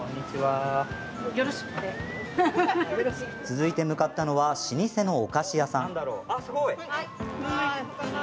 続いて向かったのは老舗のお菓子屋さん。